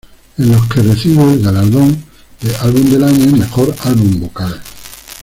En los recibe el galardón de "Álbum Del Año" y "Mejor Álbum Vocal".